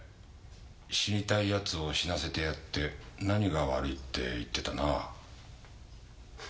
死にたいヤツを死なせてやって何が悪いって言ってたなぁ。